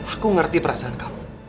aku ngerti perasaan kamu